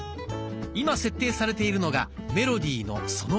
今設定されているのがメロディのその１。